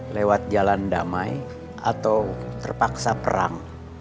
lewat jalan damai atau terpaksa perang